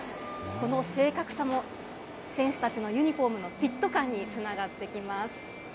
この正確さも選手たちのユニホームのフィット感につながってきます。